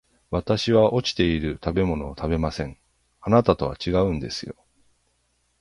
私は落ちている食べ物を食べません、あなたとは違うんですよ